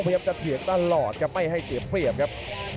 พยายามจะเถียงตลอดครับไม่ให้เสียเปรียบครับ